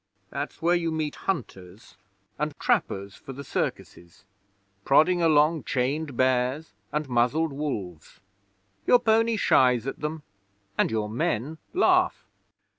There's where you meet hunters, and trappers for the Circuses, prodding along chained bears and muzzled wolves. Your pony shies at them, and your men laugh.